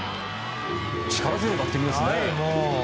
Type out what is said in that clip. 力強いバッティングですね。